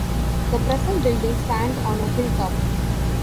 The present building stand on a hilltop.